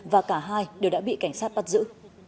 và cả hai đều đã bị cảnh sát bắt giữ